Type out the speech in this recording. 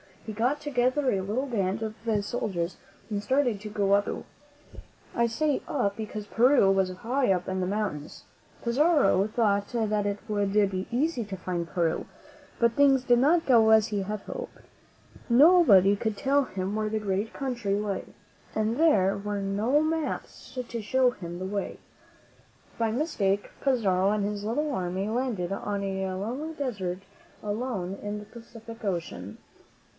He got together a little band of soldiers and started to go up to Peru. I say up, because Peru was high up among the mountains. Pizarro thought that it would be easy to find Peru; but things did not go as he had hoped. Nobody could tell him where the great country lay, and there were no maps to show him the way. By mis take, Pizarro and his little army landed on a lonely desert island in the Pacific Ocean.